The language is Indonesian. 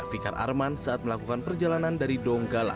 fikar arman saat melakukan perjalanan dari donggala